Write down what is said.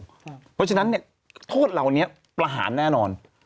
เพราะฉะนั้นโทษเหล่านี้ประหารแน่นอน